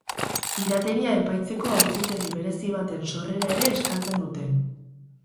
Pirateria epaitzeko auzitegi berezi baten sorrera ere eskatzen dute.